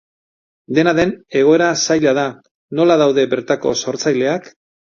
Dena den egoera zaila da, nola daude bertako sortzaileak?